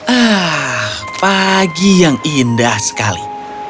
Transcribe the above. ah pagi yang indah sekali